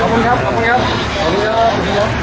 ขอบคุณครับขอบคุณครับ